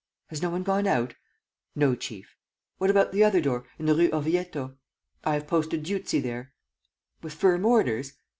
"Has no one gone out?" "No, chief." "What about the other door, in the Rue Orvieto?" "I have posted Dieuzy there." "With firm orders?"